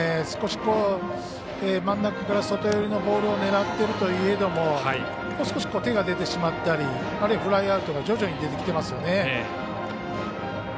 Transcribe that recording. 少し真ん中から外寄りのボールを狙っているとはいえども少し手が出てしまったりフライアウトが徐々に出てきてますよね。